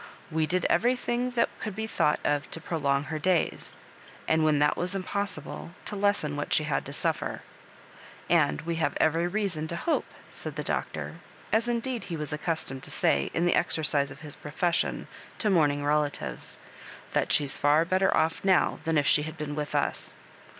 "We did everything that could be thought of to prolong her days, and, when that was impossible, to lessen what she had to suffer ; and we have every reason to hope," said the Doctor, as indeed he was ac customed to say in the exercise of his profession to mourning relatives, " that she's far better off now than if she had been with us.